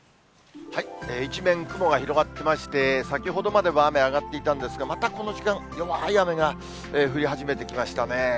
一面雲が広がってまして、先ほどまでは雨上がっていたんですが、またこの時間、弱い雨が降り始めてきましたね。